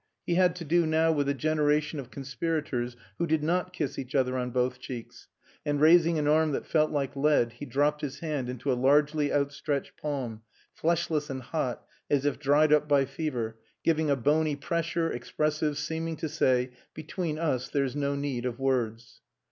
He had to do now with a generation of conspirators who did not kiss each other on both cheeks; and raising an arm that felt like lead he dropped his hand into a largely outstretched palm, fleshless and hot as if dried up by fever, giving a bony pressure, expressive, seeming to say, "Between us there's no need of words."